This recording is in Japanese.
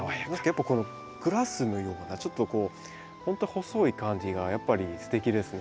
何かこのグラスのようなちょっとこうほんと細い感じがやっぱりすてきですね。